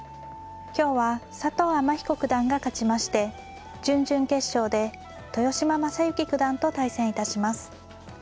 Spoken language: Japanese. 今日は佐藤天彦九段が勝ちまして準々決勝で豊島将之九段と対戦致します。